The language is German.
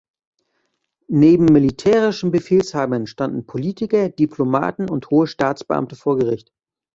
Neben militärischen Befehlshabern standen Politiker, Diplomaten und hohe Staatsbeamte vor Gericht.